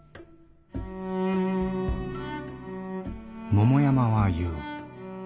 桃山は言う。